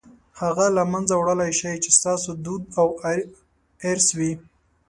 هغه له منځه وړلای شئ چې ستاسو دود او ارث وي.